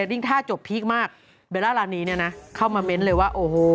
ดิ้งท่าจบพีคมากเบลล่ารานีเนี่ยนะเข้ามาเม้นต์เลยว่าโอ้โห